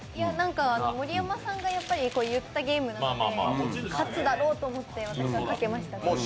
盛山さんが言ったゲームなので、勝つだろうと思って、私はかけました。